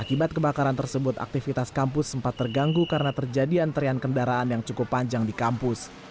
akibat kebakaran tersebut aktivitas kampus sempat terganggu karena terjadi antrean kendaraan yang cukup panjang di kampus